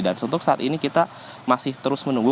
dan untuk saat ini kita masih terus menunggu